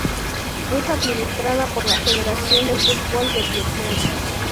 Es administrada por la Federación de Fútbol de Vietnam.